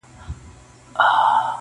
نه- نه! اور د ژوندانه سي موږ ساتلای-